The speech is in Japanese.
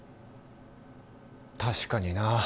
確かにな